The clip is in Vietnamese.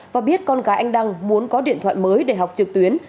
và biết con gái anh đăng muốn có điện thoại mới để học trực tuyến